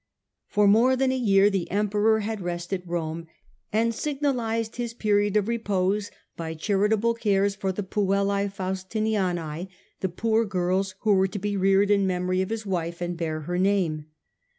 For more than a year the Emperor had rest at Rome, and signalised his period of repose by charitable cares for the PuellcB Faustiniance^ the poor girls During his who were to be reared in memory of his wife, and bear her name.